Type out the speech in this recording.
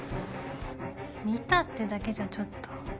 見たってだけじゃちょっと。